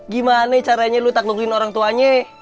gimana caranya lu tidak bisa mengejar orang tuanya